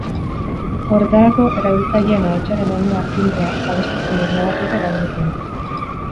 Horretarako, erabiltzaileen ahotsaren doinua, tinbrea eta beste zenbait ñabardura erabiliko dituzte.